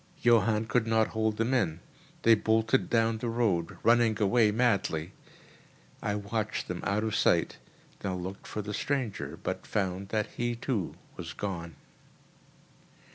Johann could not hold them in; they bolted down the road, running away madly. I watched them out of sight, then looked for the stranger, but I found that he, too, was gone.